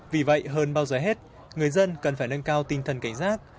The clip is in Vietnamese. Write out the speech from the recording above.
vì vậy hơn bao giờ hết người dân cần phải nâng cao tinh thần cảnh giác